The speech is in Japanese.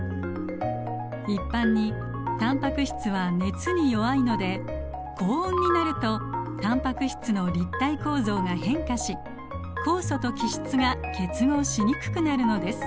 一般にタンパク質は熱に弱いので高温になるとタンパク質の立体構造が変化し酵素と基質が結合しにくくなるのです。